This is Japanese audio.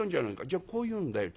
じゃあこう言うんだよ。